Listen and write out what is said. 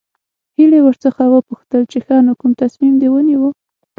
هيلې ورڅخه وپوښتل چې ښه نو کوم تصميم دې ونيو.